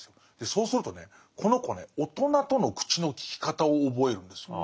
そうするとねこの子ね大人との口の利き方を覚えるんです。